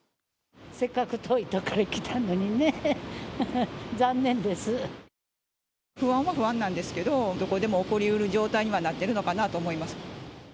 せっかく遠い所から来たのに不安は不安なんですけど、どこでも起こりうる状態にはなってるのかなとは思います。